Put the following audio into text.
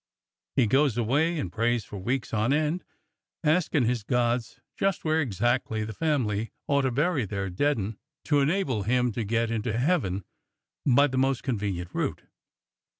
He goes away and prays for weeks on end, askin' his gods just where exactly the family ought to bury their dead 'un to enable him to get into heaven by the most con venient route.